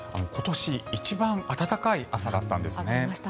今年一番暖かい朝だったんです。